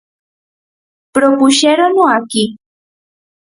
Propuxérono aquí.